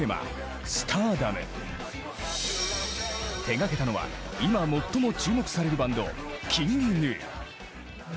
手がけたのは今最も注目されるバンド ＫｉｎｇＧｎｕ。